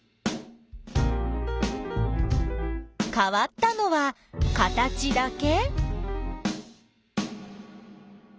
かわったのは形だけ？